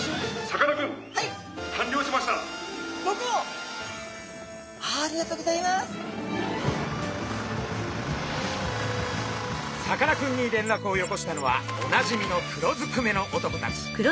さかなクンにれんらくを寄こしたのはおなじみの黒ずくめの男たち。